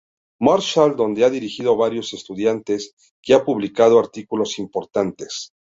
Marshall, donde ha dirigido varios estudiantes que han publicado artículos importantes.